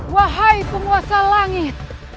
wahai penguasa langit